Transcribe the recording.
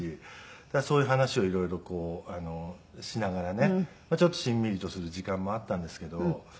だからそういう話を色々しながらねちょっとしんみりとする時間もあったんですけど。